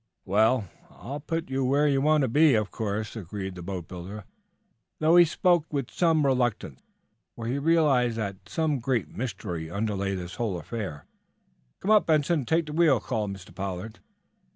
"Well, I'll put you where you want to be, of course," agreed the boatbuilder, though he spoke with some reluctance, for he realized that some great mystery underlay this whole affair. "Come up, Benson, and take the wheel," called Mr. Pollard.